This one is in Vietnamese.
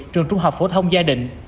trường trung học phổ thông gia định